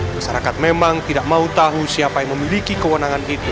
masyarakat memang tidak mau tahu siapa yang memiliki kewenangan itu